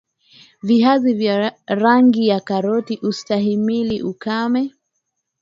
viazi vya rangi ya karoti hustahimili ukame